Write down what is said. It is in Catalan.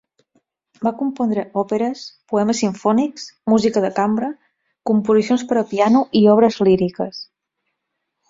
Va compondre òperes, poemes simfònics, música de cambra, composicions per a piano i obres líriques.